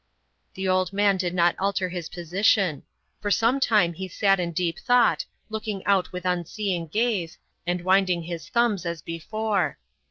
The old man did not alter his position. For some time he sat in deep thought, looking out with unseeing gaze, and winding his thumbs, as before.